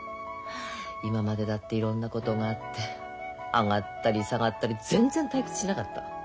今までだっていろんなことがあって上がったり下がったり全然退屈しなかった。